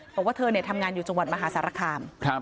บอกว่าเธอทำงานอยู่จังหวัดมหาสารคาม